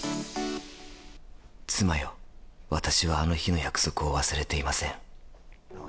妻よ、私はあの日の約束を忘れていません。